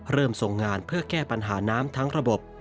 ส่งงานเพื่อแก้ปัญหาน้ำทั้งระบบ